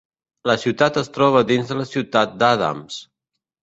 La ciutat es troba dins de la ciutat d'Adams.